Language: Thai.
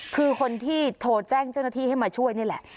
คือคนที่โทรแจ้งเจ้าหน้าที่ให้มาช่วยนี่แหละ